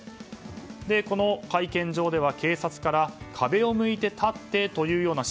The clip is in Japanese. この会見場では警察から壁を向いて立ってというような